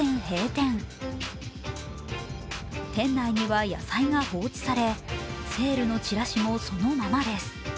店内には野菜が放置され、セールのチラシもそのままです。